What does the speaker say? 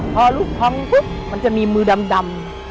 พอลูกท้องปุ๊บมันจะมีมือดำ